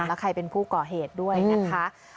แล้วใครเป็นผู้ก่อเหตุด้วยนะคะ